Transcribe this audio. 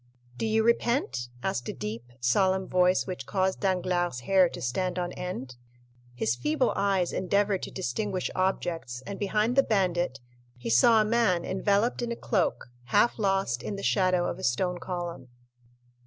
"Do you repent?" asked a deep, solemn voice, which caused Danglars' hair to stand on end. His feeble eyes endeavored to distinguish objects, and behind the bandit he saw a man enveloped in a cloak, half lost in the shadow of a stone column.